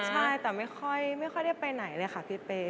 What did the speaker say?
ใช่แต่ไม่ค่อยได้ไปไหนเลยค่ะพี่เป๊